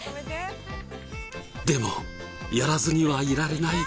でもやらずにはいられない。